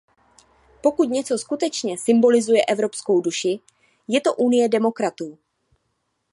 Pokud něco skutečně symbolizuje evropskou duši, je to unie demokratů.